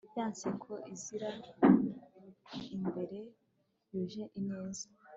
ya nseko izira imbereka yuje ineza